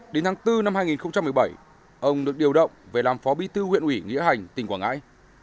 đến tháng bốn năm hai nghìn một mươi bảy ông được điều động về làm phó bí thư huyện ủy nghĩa hành tỉnh quảng ngãi